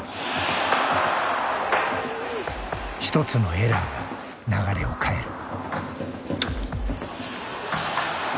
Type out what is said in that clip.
一つのエラーが流れを変える。